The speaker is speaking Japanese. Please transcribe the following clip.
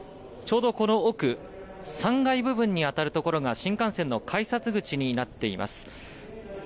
ちょうどこの奥、３階部分にあたるところが新幹線の改札口になっています。